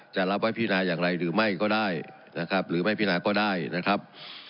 จะรับไว้พินาอย่างไรหรือไม่ก็ได้นะครับหรือไม่พินาก็ได้นะครับ